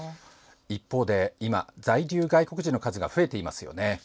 一方で今、在留外国人の数が増えていますよね。